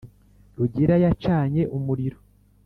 Rugira yacanye umuriro